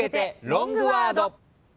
ロングワード。